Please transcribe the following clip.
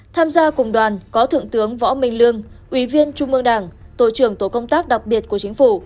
tham gia cùng đoàn có thượng tướng võ minh lương ủy viên trung ương đảng tổ trưởng tổ công tác đặc biệt của chính phủ